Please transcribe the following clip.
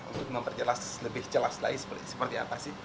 untuk memperjelas lebih jelas lagi seperti apa sih